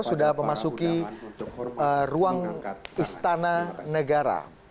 sudah memasuki ruang istana negara